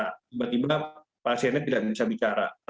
tiba tiba pasiennya tidak bisa bicara